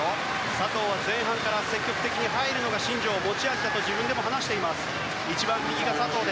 佐藤は前半から積極的に入るのが信条、持ち味だと自分でも話しています。